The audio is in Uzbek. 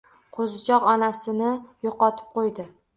Qo'zichoq onasini yo'qotib qo'ydi